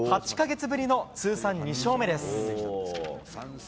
８か月ぶりの通算２勝目です。